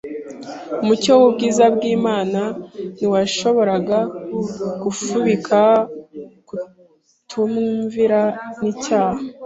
Umucyo w’ubwiza bw’Imana ntiwashoboraga gufubika kutumvira n’icyaha.